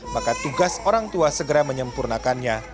maka tugas orang tua segera menyempurnakannya